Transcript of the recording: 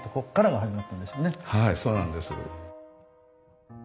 はいそうなんです。